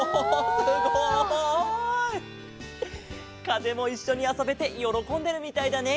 かぜもいっしょにあそべてよろこんでるみたいだね！